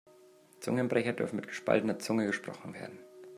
Zungenbrecher dürfen mit gespaltener Zunge gesprochen werden.